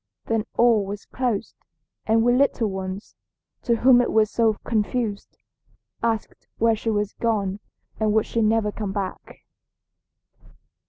Then all was closed, and we little ones, to whom it was so confused, asked where she was gone and would she never come back.